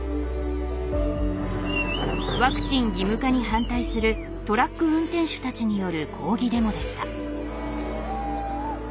ワクチン義務化に反対するトラック運転手たちによる抗議デモでした。